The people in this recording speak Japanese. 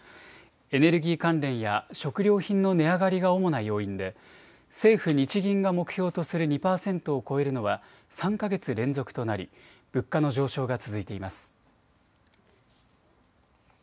エネルギー関連や食料品の値上がりが主な要因で政府日銀が目標とする２％を超えるのは３か月連続となり物価の上昇が続いています。